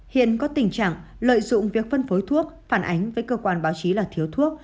hiện có tình trạng lợi dụng việc phân phối thuốc phản ánh với cơ quan báo chí là thiếu thuốc